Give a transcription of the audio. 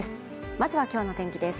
まずは今日の天気です